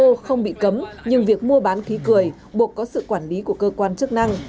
mặc dù n hai o không bị cấm nhưng việc mua bán khí cười buộc có sự quản lý của cơ quan chức năng